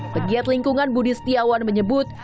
pegiat lingkungan budi setiawan menyebut